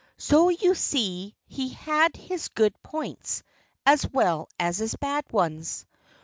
So you see he had his good points, as well as his bad ones.